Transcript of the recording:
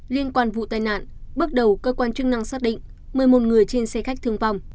liên quan vụ tai nạn bước đầu cơ quan chức năng xác định một mươi một người trên xe khách thương vong